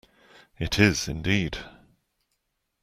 It is, indeed!